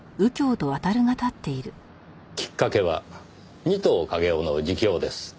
きっかけは仁藤景雄の自供です。